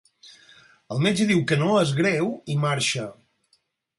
El metge diu que no és greu i marxa.